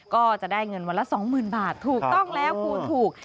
ก็จะได้เงินวันละ๒๐๐๐บาทถูกต้องแล้วคูณถูก